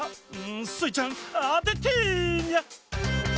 スイちゃんあててニャ！